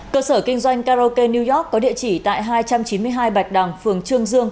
cơ sở kinh doanh karaoke new york có địa chỉ tại hai trăm chín mươi hai bạch đằng phường trương dương